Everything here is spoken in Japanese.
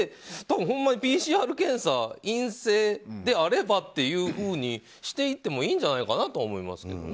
多分、ほんまにＰＣＲ検査陰性であればっていうふうにしていってもいいんじゃないかなと思います。